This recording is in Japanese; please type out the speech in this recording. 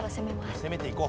攻めていこう。